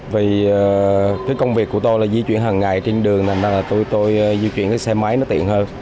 vì công việc của tôi là di chuyển hằng ngày trên đường nên tôi di chuyển xe máy nó tiện hơn